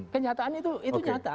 kenyataan itu nyata